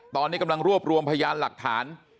ตอนนี้กำลังรวบรวมพยานหลักฐาน